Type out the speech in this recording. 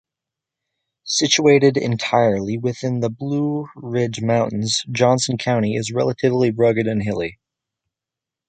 Situated entirely within the Blue Ridge Mountains, Johnson County is relatively rugged and hilly.